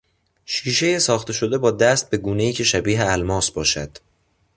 شیشهی ساخته شده با دست به گونهای که شبیه الماس باشد